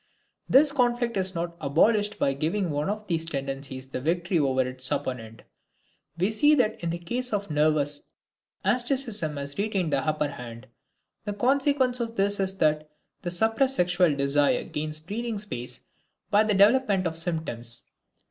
This conflict is not abolished by giving one of these tendencies the victory over its opponent. We see that in the case of the nervous, asceticism has retained the upper hand. The consequence of this is that the suppressed sexual desire gains breathing space by the development of symptoms.